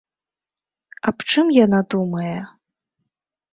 Аб чым яна думае?